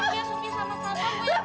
biar supi sama kakak